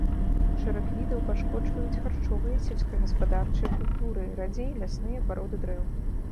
Шэраг відаў пашкоджваюць харчовыя, сельскагаспадарчыя культуры, радзей лясныя пароды дрэў.